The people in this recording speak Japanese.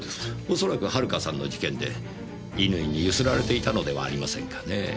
おそらく遥さんの事件で乾にゆすられていたのではありませんかねぇ。